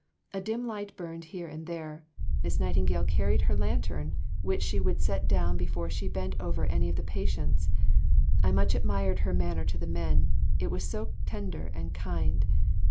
A dim light burned here and there. Miss Nightingale carried her lantern, which she would set down before she bent over any of the patients. I much admired her manner to the men it was so tender and kind."